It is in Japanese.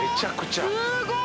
すごい。